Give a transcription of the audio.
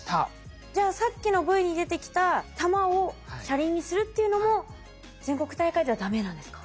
じゃあさっきのＶに出てきた玉を車輪にするっていうのも全国大会ではダメなんですか？